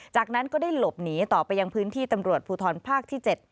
จากนั้นก็ได้หลบหนีต่อไปยังพื้นที่ตำรวจภูทรภาคที่๗